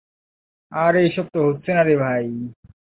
কিন্তু ছিল না কোনো মেইড অব অনার।